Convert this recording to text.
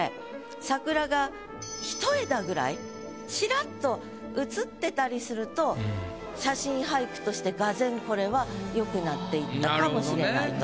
桜が一枝ぐらいちらっと写ってたりすると写真俳句として俄然これは良くなっていったかもしれないと。